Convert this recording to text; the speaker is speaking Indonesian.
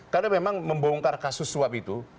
karena memang membongkar kasus suap itu